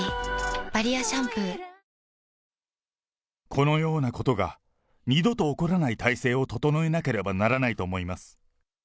このようなことが、二度と起こらない体制を整えなければならないと思います。